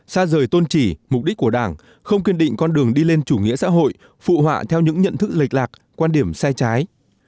xa rời tôn trị mục đích của đảng không kiên định con đường đi lên chủ nghĩa xã hội phụ họa theo những nhận thức lệch lạc quan điểm sai trái